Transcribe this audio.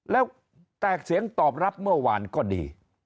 แล้วแตกเสียงตอบรับเมื่อวานก็ดี